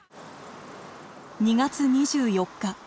２月２４日。